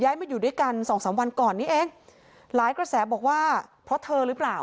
มาอยู่ด้วยกันสองสามวันก่อนนี้เองหลายกระแสบอกว่าเพราะเธอหรือเปล่า